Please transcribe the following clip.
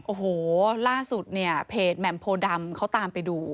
โอ้โหล่าสุดเนี่ยเพจแหม่มโพดำเขาตามไปดู